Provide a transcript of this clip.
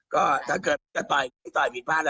ก็ถ้าเกิดจะต่อยผิดบ้าน